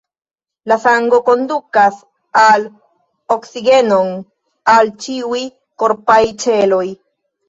La sango kondukas la oksigenon al ĉiuj korpaj ĉeloj.